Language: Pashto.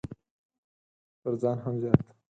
تر ځان هم زيات!